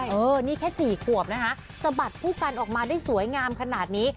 เออนี่แค่๔ขวบนะคะสะบัดคู่กันออกมาได้สวยงามขนาดนี้